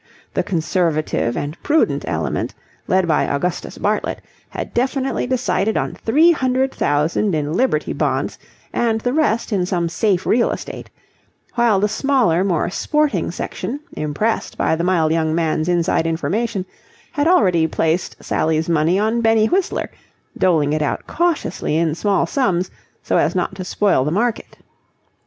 The conservative and prudent element, led by Augustus Bartlett, had definitely decided on three hundred thousand in Liberty Bonds and the rest in some safe real estate; while the smaller, more sporting section, impressed by the mild young man's inside information, had already placed Sally's money on Benny Whistler, doling it out cautiously in small sums so as not to spoil the market.